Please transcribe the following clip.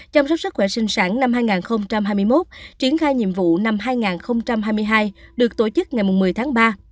chăm sóc sức khỏe sinh sản năm hai nghìn hai mươi một triển khai nhiệm vụ năm hai nghìn hai mươi hai được tổ chức ngày một mươi tháng ba